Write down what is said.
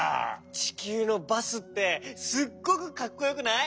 ちきゅうのバスってすっごくかっこよくない？